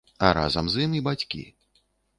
А разам з ім і бацькі.